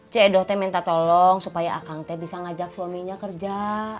cik edo minta tolong supaya akang bisa ngajak suaminya kerja